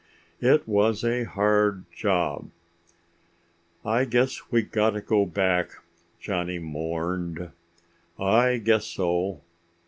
It was a hard job. "I guess we gotta go back!" Johnny mourned. "I guess so!"